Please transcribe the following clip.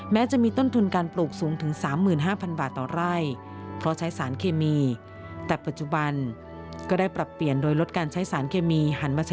จะมีต้นทุนการปลูกสูงถึง๓๕๐๐บาทต่อไร่